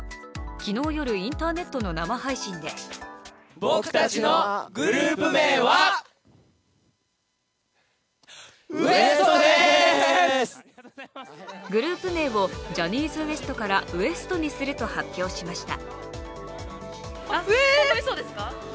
昨日夜、インターネットの生配信でグループ名をジャニーズＷＥＳＴからＷＥＳＴ．にすると発表しました。